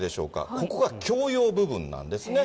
ここが共用部分なんですね。